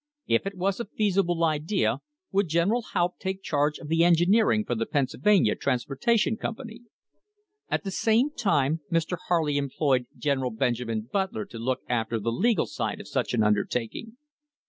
If it was a feasible idea would General Haupt take charge of the engineering for the Pennsylvania Trans portation Company? At the same time Mr. Harley employed General Benjamin Butler to look after the legal side of such an undertaking.